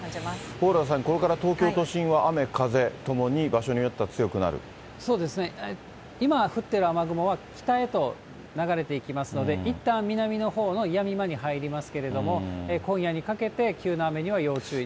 蓬莱さん、これから東京都心は雨、風ともに、そうですね、今降っている雨雲は北へと流れていきますので、いったん、南のほうのやみ間に入りますけれども、今夜にかけて、急な雨には要注意。